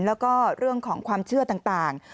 แล้วก็เรื่องของความเชื่อต่าง